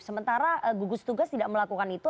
sementara gugus tugas tidak melakukan itu